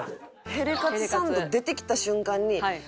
ヘレカツサンド出てきた瞬間にうわー！